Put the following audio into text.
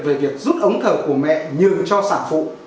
về việc rút ống thở của mẹ nhường cho sản phụ